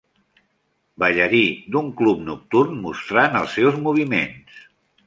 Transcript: Ballarí d"un club nocturn mostrant els seus moviments.